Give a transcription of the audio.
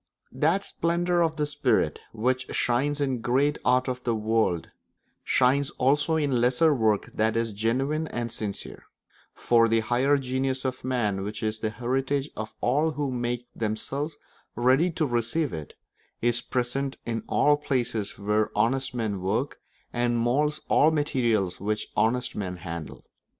That splendour of the spirit which shines in the great art of the world shines also in all lesser work that is genuine and sincere; for the higher genius of man, which is the heritage of all who make themselves ready to receive it, is present in all places where honest men work, and moulds all materials which honest men handle.